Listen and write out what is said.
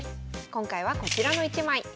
今回はこちらの１枚。